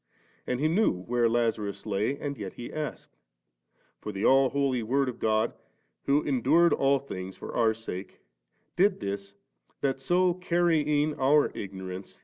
And He knew where Lazarus lay, and yet He asked ; for the All holy Word of God, who endured all things for our sakes, did this, that so carrying our ignorance.